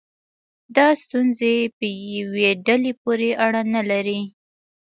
دا ستونزې په یوې ډلې پورې اړه نه لري.